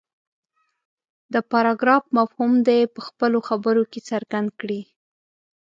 د پراګراف مفهوم دې په خپلو خبرو کې څرګند کړي.